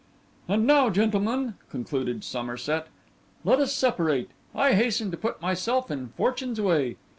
'And now, gentlemen,' concluded Somerset, 'let us separate. I hasten to put myself in fortune's way.